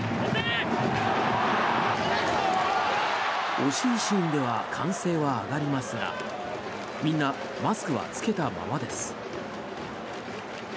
惜しいシーンでは歓声が上がりますがみんなマスクは着けたままです。